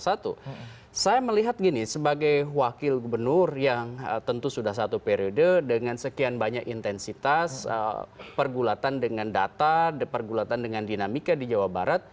saya melihat gini sebagai wakil gubernur yang tentu sudah satu periode dengan sekian banyak intensitas pergulatan dengan data pergulatan dengan dinamika di jawa barat